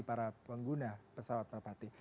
para pengguna pesawat merpati